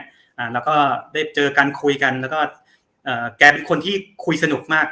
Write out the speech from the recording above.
อ่าแล้วก็ได้เจอกันคุยกันแล้วก็เอ่อแกเป็นคนที่คุยสนุกมาก